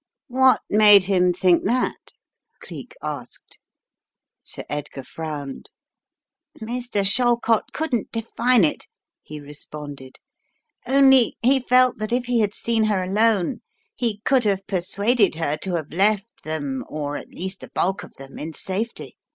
"What made him think that?" Cleek asked. Sir Edgar frowned. "Mr. Shallcott couldn't define it," he responded, "only he felt that if he had seen her alone he could have persuaded her to have left them or at least the bulk of them in safety.